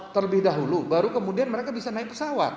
terlebih dahulu baru kemudian mereka bisa naik pesawat